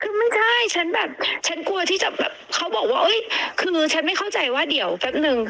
คือไม่ใช่ฉันแบบฉันกลัวที่จะแบบเขาบอกว่าเฮ้ยคือฉันไม่เข้าใจว่าเดี๋ยวแป๊บนึง